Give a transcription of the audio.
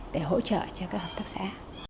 để hỗ trợ cho các hợp tác xã